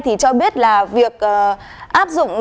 thì cho biết là việc áp dụng